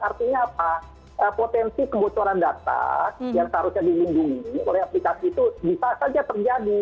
artinya apa potensi kebocoran data yang seharusnya dilindungi oleh aplikasi itu bisa saja terjadi